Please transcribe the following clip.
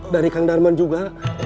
dari kang darman juga